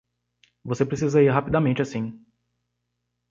Você precisa ir rapidamente assim.